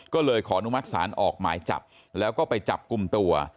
ก็เลยขออนุมัติศาลออกหมายจับแล้วก็ไปจับกลุ่มตัว